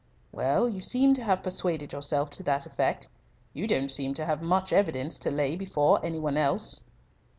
"Well, you seem to have persuaded yourself to that effect. You don't seem to have much evidence to lay before any one else."